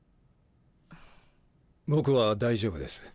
僕は大丈夫です。